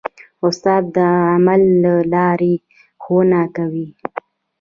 استاد د عمل له لارې ښوونه کوي.